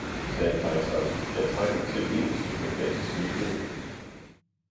sagde Keiseren, jeg trænger til een, som kan passe Svinene!